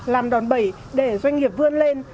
làm đòn bẩy để doanh nghiệp vươn lên